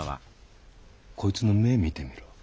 こいつの目見てみろ。